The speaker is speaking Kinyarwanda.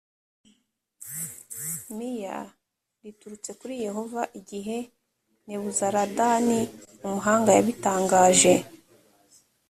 miya riturutse kuri yehova igihe nebuzaradani umuhanga yabitangaje